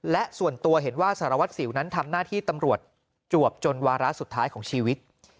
และส่วนตัวเห็นว่าสารวัตรสิวนั้นทำหน้าที่ตำรวจจวบจนวาระสุดท้ายของชีวิต